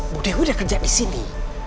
bu dewi udah kerja disini